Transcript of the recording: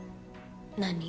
何？